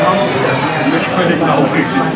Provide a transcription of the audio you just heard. ไม่ค่อยได้เหลาอีก